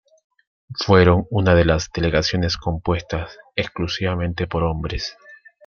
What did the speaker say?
Fueron una de las delegaciones compuestas exclusivamente por hombres.